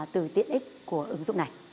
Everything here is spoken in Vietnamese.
từ tiện ích của ứng dụng này